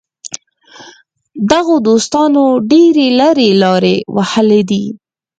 دغو دوستانو ډېرې لرې لارې وهلې دي.